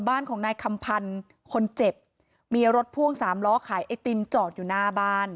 บ้านของนายคำพันธ์คนเจ็บมีรถพ่วงสามล้อขายไอติมจอดอยู่หน้าบ้าน